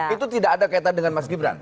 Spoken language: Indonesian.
itu tidak ada kaitan dengan mas gibran